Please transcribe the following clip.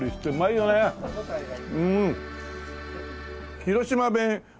広島弁